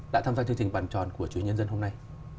đã tham gia chương trình bàn tròn của chủ nhân dân hôm nay